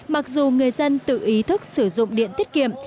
mặc dù người dân tự ý thức sử dụng điện tiết kiệm